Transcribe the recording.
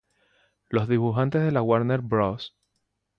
Los dibujantes de la Warner Bros.